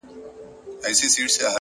هوښیار انتخاب راتلونکې اندېښنې کموي!